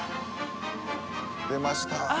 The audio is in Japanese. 出ました！